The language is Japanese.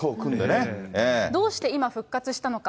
どうして今、復活したのか。